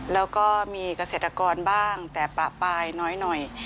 แล้วก็มีเกษตรกรบ้างแต่ปละปลายน้อย